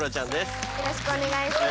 よろしくお願いします。